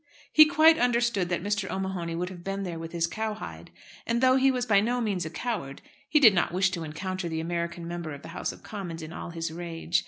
He quite understood that Mr. O'Mahony would have been there with his cowhide, and though he was by no means a coward be did not wish to encounter the American Member of the House of Commons in all his rage.